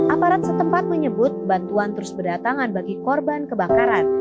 aparat setempat menyebut bantuan terus berdatangan bagi korban kebakaran